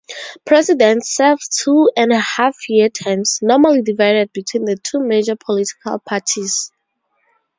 Presidents serve two-and-a-half-year terms, normally divided between the two major political parties.